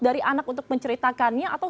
dari anak untuk menceritakannya atau